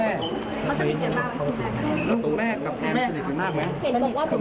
สนิทกับแอมสนิทกับแอมสนิทกับแอม